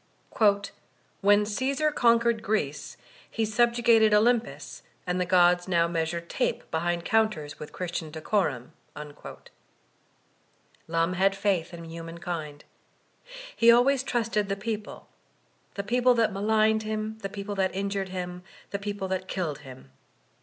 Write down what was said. "When Caesar conquered Greece, he subjugated Olym pus, and the Ciods now measure tape behind counters with Christian decorum." Lorn had faidi in humankind. He always trusted 294 VOLTAIftlNE DE ClEYHE the people ; the people that maligned hitn, the people that injured hiin» the people that killed him.